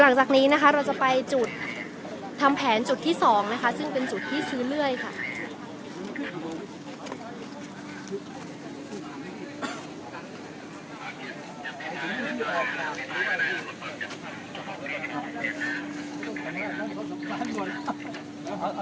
หลังจากนี้นะคะเราจะไปจุดทำแผนจุดที่๒นะคะซึ่งเป็นจุดที่ซื้อเลื่อยค่ะ